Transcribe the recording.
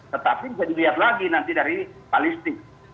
tetapi bisa dilihat lagi nanti dari balistik